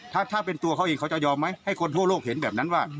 ถ้าเป็นตัวเขาเองเขาจะยอมไหมให้คนทั่วโลกเห็นแบบนั้นว่า